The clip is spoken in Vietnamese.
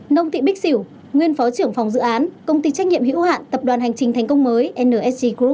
nông thị bích xỉu nguyên phó trưởng phòng dự án công ty trách nhiệm hữu hạn tập đoàn hành trình thành công mới nsg grou